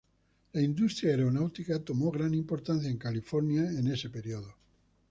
La industria aeronáutica tomó gran importancia en California en este período.